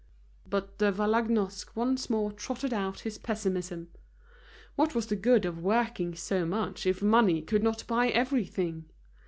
But De Vallagnosc once more trotted out his pessimism. What was the good of working so much if money could not buy everything?